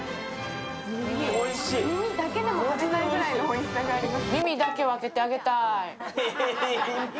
耳だけでも食べたいくらいのおいしさがあります。